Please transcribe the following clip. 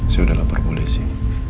saya udah lapor polisi